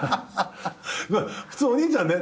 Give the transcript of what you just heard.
普通お兄ちゃんね